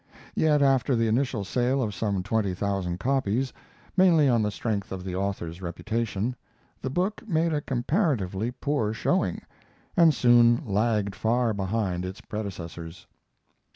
Yet after the initial sale of some twenty thousand copies, mainly on the strength of the author's reputation, the book made a comparatively poor showing, and soon lagged far behind its predecessors.